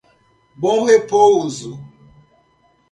Bom Repouso